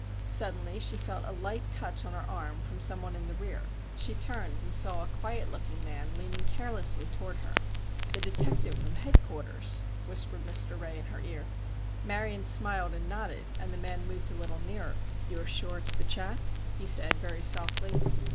Suddenly she felt a light touch on her arm from some one in the rear. She turned and saw a quiet looking man leaning carelessly toward her. "The detective from headquarters," whispered Mr. Ray, in her ear. Marion smiled and nodded, and the man moved a little nearer. "You are sure it's the chap?" he said, very softly.